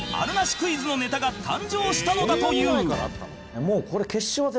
クイズのネタが誕生したのだという